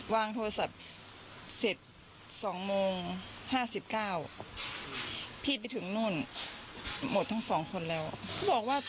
วางโทรศัพท์เสร็จสองโมงห้าสิบเก้าพี่ไปถึงนู้นหมดทั้งผู้คนแล้ว